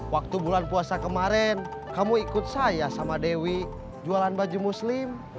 waktu bulan puasa kemarin kamu ikut saya sama dewi jualan baju muslim